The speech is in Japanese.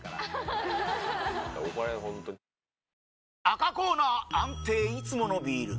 赤コーナー安定いつものビール！